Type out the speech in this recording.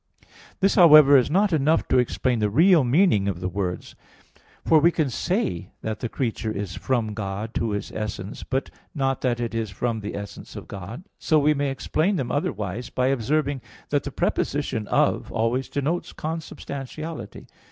This, however, is not enough to explain the real meaning of the words. For we can say that the creature is from God Who is essence; but not that it is from the essence of God. So we may explain them otherwise, by observing that the preposition "of" [de] always denotes consubstantiality.